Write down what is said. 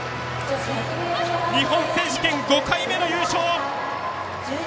日本選手権５回目の優勝！